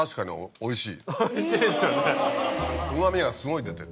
おいしい！